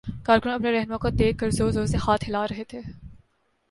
کارکن اپنے راہنما کو دیکھ کر زور زور سے ہاتھ ہلا رہے تھے۔